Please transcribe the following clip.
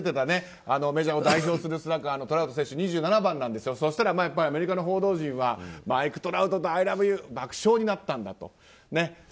メジャーを代表するスラッガーのトラウト選手は２７番なんですけどそうしたらアメリカの報道陣はマイク・トラウトアイ・ラブ・ユー爆笑になったんだと。